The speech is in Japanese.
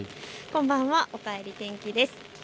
こんばんは、おかえり天気です。